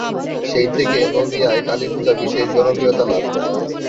সেই থেকে নদিয়ায় কালীপূজা বিশেষ জনপ্রিয়তা লাভ করে।